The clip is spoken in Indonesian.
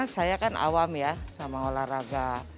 saya kan awam ya sama olahraga